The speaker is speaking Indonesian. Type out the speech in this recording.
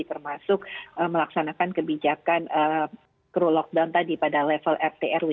termasuk melaksanakan kebijakan kru lockdown tadi pada level rt rw